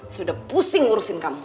sudah pusing ngurusin kamu